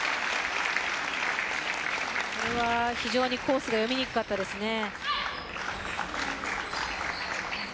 これは非常にコースが読みにくかったですね。